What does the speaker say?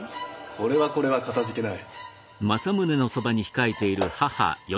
これはこれはかたじけない。